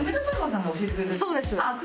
そうです。